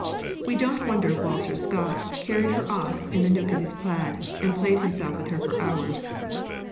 We don't wonder Walter Scott carried her off in the neuk of his plaid, and played himself with her for hours....